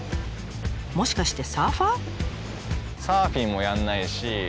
もしかしてサーファー？